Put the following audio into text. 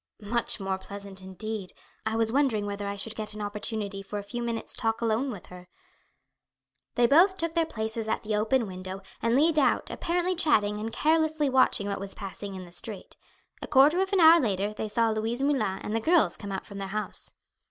"Much more pleasant; indeed, I was wondering whether I should get an opportunity for a few minutes' talk alone with her." They both took their places at the open window and leaned out apparently chatting and carelessly watching what was passing in the street. A quarter of an hour later they saw Louise Moulin and the girls come out of their house.